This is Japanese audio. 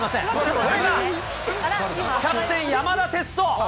それがキャプテン、山田哲人。